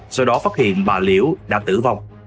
sau đó phát hiện bà liễu đã tử vong